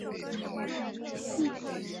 勒普莱西贝勒维尔。